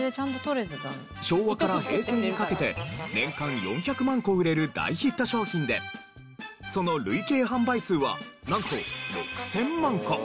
昭和から平成にかけて年間４００万個売れる大ヒット商品でその累計販売数はなんと６０００万個。